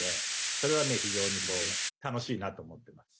それは非常に楽しいなって思ってます。